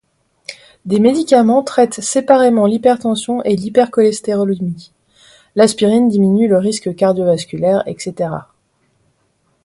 Des médicaments traitent séparément l’hypertension et l’hypercholestérolémie, l’aspirine diminue le risque cardiovasculaire, etc.